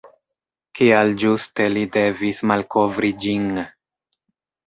Kial ĝuste li devis malkovri ĝin?